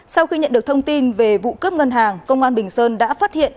sau khi nhận được thông tin về vụ cướp ngân hàng công an bình sơn đã phát hiện